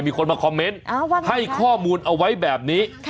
มีคนมาคอมเมนต์ให้ข้อมูลเอาไว้แบบนี้